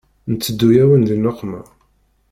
Nteddu-yawen di nneqma.